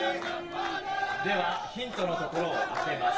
ではヒントのところを開けます。